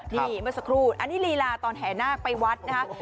นี่เมื่อสักครู่อันนี้ลีลาตอนแห่นาคไปวัดนะคะ